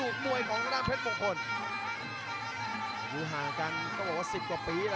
จังหวาดึงซ้ายตายังดีอยู่ครับเพชรมงคล